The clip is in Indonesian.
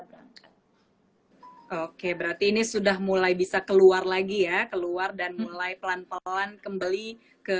berangkat oke berarti ini sudah mulai bisa keluar lagi ya keluar dan mulai pelan pelan kembali ke